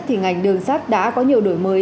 thì ngành đường sát đã có nhiều đổi mới